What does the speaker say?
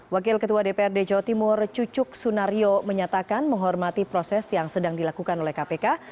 wakil ketua dprd jawa timur cucuk sunario menyatakan menghormati proses yang sedang dilakukan oleh kpk